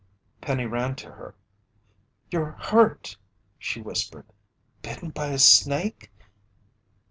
Penny ran to her. "You're hurt!" she whispered. "Bitten by a snake?"